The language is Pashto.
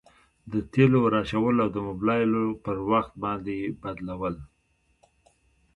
د تیلو ور اچول او د مبلایلو پر وخت باندي بدلول.